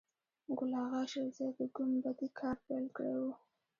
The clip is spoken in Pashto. ګل آغا شېرزی د ګومبتې کار پیل کړی و.